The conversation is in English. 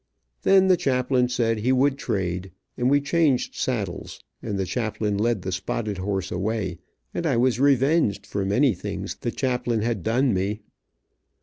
Then the chaplain said he would trade, and we changed saddles, and the chaplain led the spotted horse away, and I was revenged for many things the chaplain had done me.